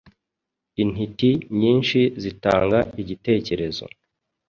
Intiti nyinshi zitanga igitekerezo